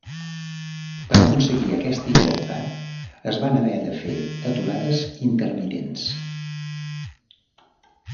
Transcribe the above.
Per aconseguir aquesta igualtat es van haver de fer aturades intermitents.